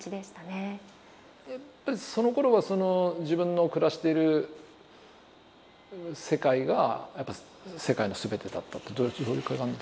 やっぱりそのころはその自分の暮らしてる世界がやっぱ世界の全てだったってどういう感じですかね。